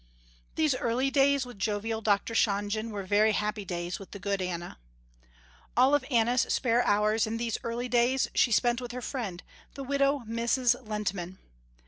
These early days with jovial Dr. Shonjen were very happy days with the good Anna. All of Anna's spare hours in these early days she spent with her friend, the widow Mrs. Lehntman.